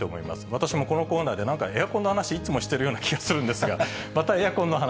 私も、このコーナーでなんか、エアコンの話いつもしてるような気がするんですが、またエアコンの話。